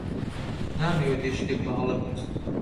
نامەوێت هیچ شتێک بەهەڵە بنووسم.